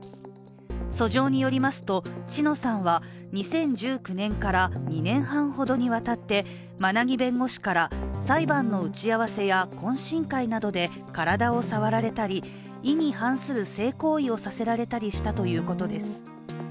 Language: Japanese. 訴状によりますと、知乃さんは２０１９年から２年半ほどにわたって馬奈木弁護士から裁判の打ち合わせや懇親会などで体を触られたり、意に反する性行為をさせられたりしたということです。